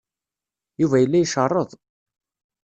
Yuba yella icerreḍ.